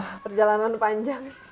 kamu jalan jalan dynamo